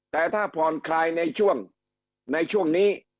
แต่ถ้าผ่อนคลายในช่วงในช่วงนี้